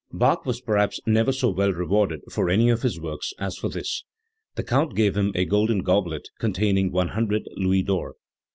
1 ' Bach was perhaps never so well rewarded for any of his works as for this, The Count gave him a golden goblet, containing 100 louis d'or"*.